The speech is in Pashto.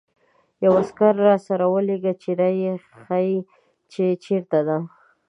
یو عسکر راسره ولېږه چې را يې ښيي، چې چېرته ده.